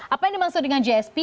apa yang dimaksud dengan gsp